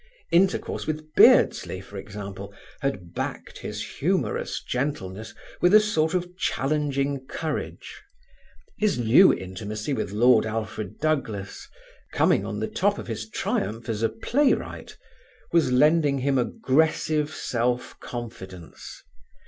Intercourse with Beardsley, for example, had backed his humorous gentleness with a sort of challenging courage; his new intimacy with Lord Alfred Douglas, coming on the top of his triumph as a playwright, was lending him aggressive self confidence.